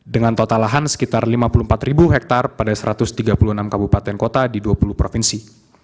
dengan total lahan sekitar lima puluh empat hektare pada satu ratus tiga puluh enam kabupaten kota di dua puluh provinsi